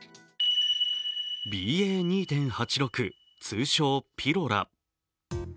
ＢＡ．２．８６、通称ピロラ。